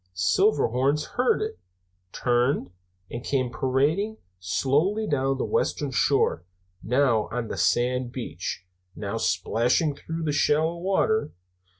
Silverhorns heard it, turned, and came parading slowly down the western shore, now on the sand beach, now splashing through the shallow water.